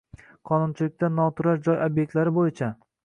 Qonunchilikda noturar joy ob’ektlari bo‘yicha